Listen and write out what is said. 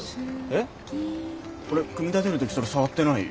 えっ俺組み立てる時それ触ってない？